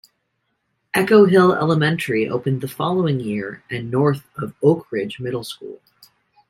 Echo Hill Elementary opened the following year and north of Oak Ridge Middle School.